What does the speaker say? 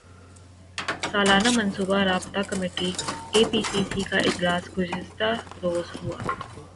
سالانہ منصوبہ رابطہ کمیٹی اے پی سی سی کا اجلاس گزشتہ روز ہوا